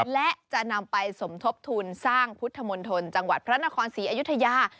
และจะนำไปสมทบทุนสร้างพุทธมนตรจังหวัดพระนครศรีอยุธยา